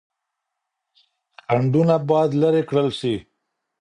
خنډونه بايد لري کړل سي.